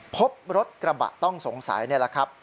พบรถกระบะต้องสงสัยนี่แหละครับ